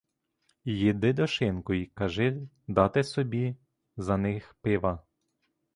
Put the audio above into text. Йди до шинку і кажи дати собі за них пива.